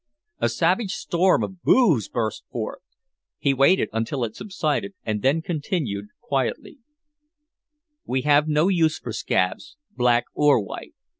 A savage storm of "booh's" burst forth. He waited until it subsided and then continued quietly: "We have no use for scabs, black or white.